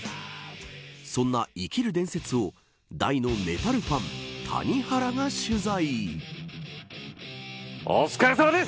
そんな生きる伝説を大のメタルファン、谷原が取材。